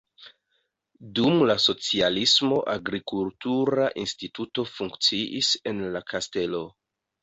Dum la socialismo agrikultura instituto funkciis en la kastelo.